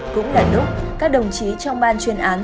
cũng là lúc các đồng chí trong ban chuyên án